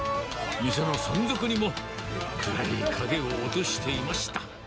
店の存続にも暗い影を落としていました。